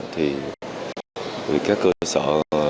thì các cơ sở